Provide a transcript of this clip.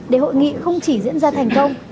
để hội nghị không chỉ diễn ra thành công